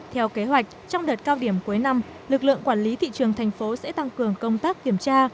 theo kế hoạch trong đợt cao điểm cuối năm lực lượng quản lý thị trường thành phố sẽ tăng cường công tác kiểm tra